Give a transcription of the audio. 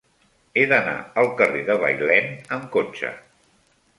He d'anar al carrer de Bailèn amb cotxe.